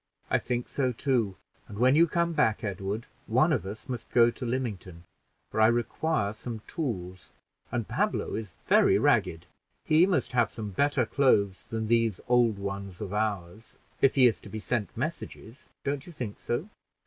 "I think so too; and when you come back, Edward, one of us must go to Lymington, for I require some tools, and Pablo is very ragged. He must have some better clothes than these old ones of ours, if he is to be sent messages. Don't you think so?"